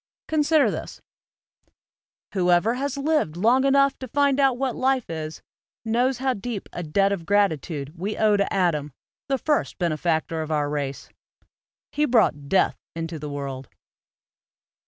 Consider this: " Whoevei has lived long enough to find out what life is, knows how deep a debt of gratitude we owe to Adam, the first bene factor of our race; he brought death into the world."